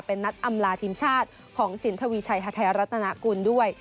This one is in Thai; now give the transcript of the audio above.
เป็นนัดอำลาทีมชาติของสินทวีชัยฮาไทยรัฐนากุลด้วย